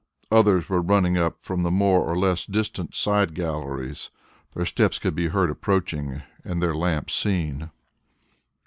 Others were running up from the more or less distant side galleries; their steps could be heard approaching and their lamps seen.